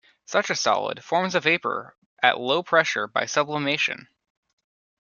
Such a solid forms a vapor at low pressure by sublimation.